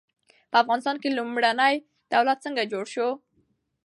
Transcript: په افغانستان کې لومړنی دولت څنګه جوړ سو؟